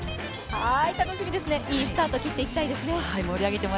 楽しみですね、いいスタート切っていきたいですね。